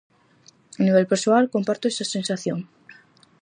A nivel persoal comparto esa sensación.